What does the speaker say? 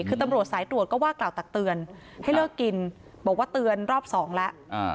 คือตำรวจสายตรวจก็ว่ากล่าวตักเตือนให้เลิกกินบอกว่าเตือนรอบสองแล้ว